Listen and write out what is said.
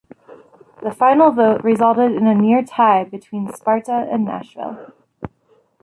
The final vote resulted in a near tie between Sparta and Nashville.